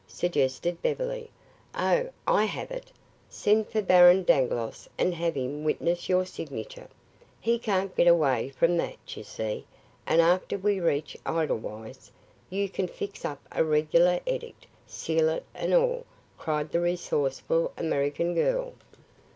suggested Beverly. "Oh, I have it! Send for Baron Dangloss and have him witness your signature. He can't get away from that, you see, and after we reach Edelweiss, you can fix up a regular edict, seal and all," cried the resourceful American girl.